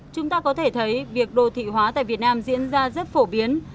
chúng ta có thể thấy việc đô thị hóa tại việt nam diễn ra rất phổ biến